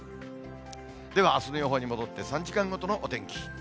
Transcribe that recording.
ではあすの予報に戻って３時間ごとのお天気。